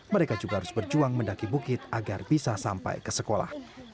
mereka juga harus berjuang mendaki bukit agar bisa sampai ke sekolah